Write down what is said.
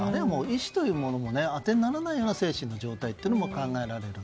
意志というものがあてにならないような精神状態というのも考えられる。